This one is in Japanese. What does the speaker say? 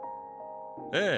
ええ。